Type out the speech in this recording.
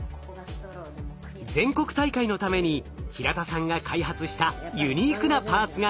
全国大会のために平田さんが開発したユニークなパーツがこれ。